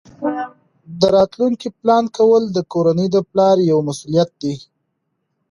د راتلونکي پلان کول د کورنۍ د پلار یوه مسؤلیت ده.